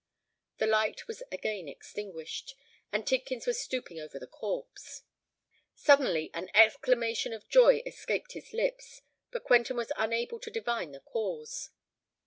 The light was again extinguished; and Tidkins was stooping over the corpse. Suddenly an exclamation of joy escaped his lips; but Quentin was unable to divine the cause.